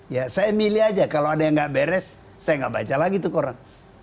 ya saya milih saja kalau ada yang tidak beres saya tidak baca lagi itu korang